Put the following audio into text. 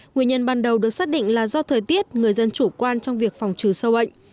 nguyên nhân ban đầu được xác định là do thời tiết người dân chủ quan trong việc phòng trừ sâu bệnh